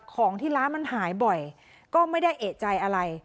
ของที่ร้านมันหายบ่อยก็ไม่ได้เอกใจอะไร